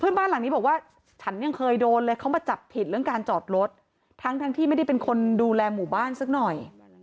บ้านหลังนี้บอกว่าฉันยังเคยโดนเลยเขามาจับผิดเรื่องการจอดรถทั้งทั้งที่ไม่ได้เป็นคนดูแลหมู่บ้านสักหน่อย